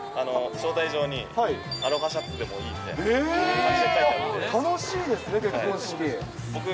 招待状にアロハシャツでもい楽しいですね、結婚式。